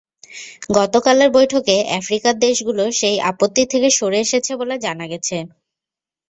গতকালের বৈঠকে আফ্রিকার দেশগুলো সেই আপত্তি থেকে সরে এসেছে বলে জানা গেছে।